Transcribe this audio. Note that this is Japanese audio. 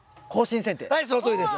はいそのとおりです！